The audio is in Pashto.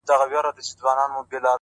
زه به غمو ته شاعري كومه’